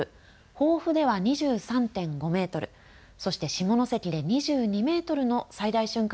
防府では２３．５メートルそして下関で２２メートルの最大瞬間